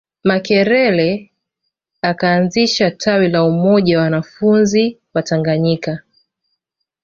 Makerere akaanzisha tawi la Umoja wa wanafunzi Watanganyika